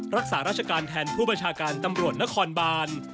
รักษาราชการแทนผู้บัญชาการตำรวจนครบาน